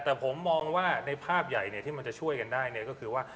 แต่ผมมองว่าในภาพใหญ่ที่มันจะช่วยกันได้ก็คือว่า